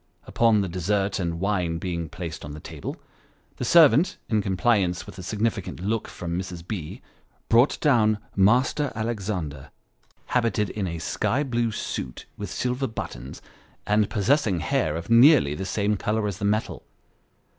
Upon the dessert and wine being placed on the table, the servant, in compliance with a significant look from Mrs. B., brought down " Master Alexander," habited in a sky blue suit with silver buttons ; and possessing hair of nearly the same colour as the metal.